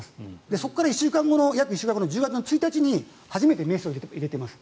そこから約１週間後の１０月１日に初めてメスを入れています。